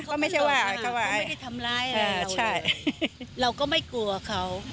เขาก็ไม่ได้ทำร้ายเราเลยเราก็ไม่กลัวเขา